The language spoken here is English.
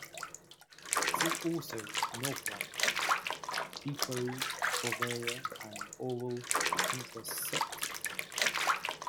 See also Norplant, Depo-Provera and oral contraceptive.